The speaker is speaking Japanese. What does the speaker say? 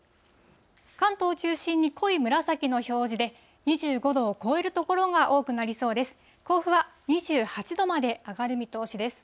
関東を中心に濃い紫の表示で、２５度を超える所が多くなりそうです。